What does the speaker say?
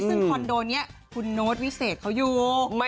ซึ่งคอนโดนี้คุณโน้ตวิเศษเขาอยู่